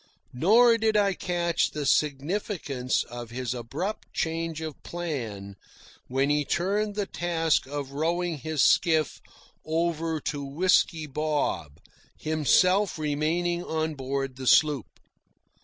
Nor did I catch the significance of his abrupt change of plan when he turned the task of rowing his skiff over to Whisky Bob, himself remaining on board the sloop.